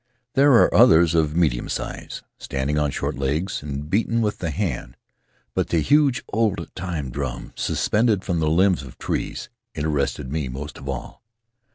There are others of medium size, standing on short legs and beaten with the hand, but the huge oldtime drums, suspended from the limbs of trees, interested me most of all.